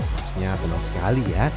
masnya tenang sekali ya